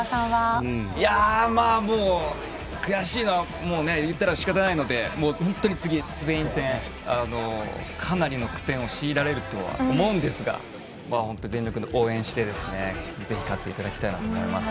悔しいのは、言ったらしかたないので本当に次、スペイン戦かなりの苦戦を強いられるとは思うんですが全力の応援をしてぜひ勝っていただきたいなと思います。